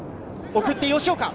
送って吉岡。